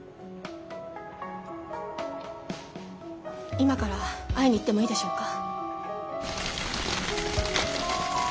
今から会いに行ってもいいでしょうか？